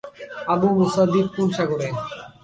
Abu Musa দ্বীপ কোন সাগরে?